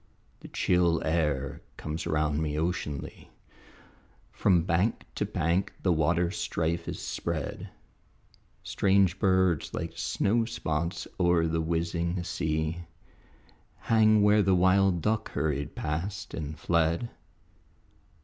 The chill air comes around me oceanly, From bank to bank the waterstrife is spread; Strange birds like snowspots oer the whizzing sea Hang where the wild duck hurried past and fled.